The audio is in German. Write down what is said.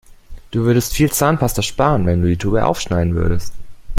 Du würdest viel Zahnpasta sparen, wenn du die Tube aufschneiden würdest.